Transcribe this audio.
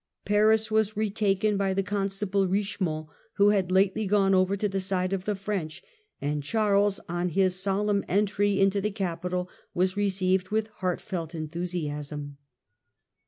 Paris was retaken by the Constable Kichemont, who had lately gone over to the side of the French, and Charles on his solemn entry into the capital, was received with heartfelt enthusiasm.